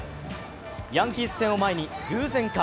ヤンキース戦を前に偶然か？